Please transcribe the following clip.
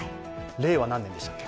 令和何年でしたっけ？